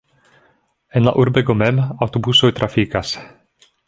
En la urbego mem aŭtobusoj trafikas.